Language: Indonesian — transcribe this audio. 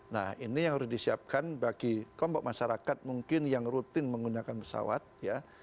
nah ini yang harus disiapkan bagi kelompok masyarakat mungkin yang rutin menggunakan pesawat ya